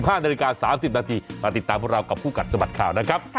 ๕นาฬิกา๓๐นาทีมาติดตามพวกเรากับคู่กัดสะบัดข่าวนะครับ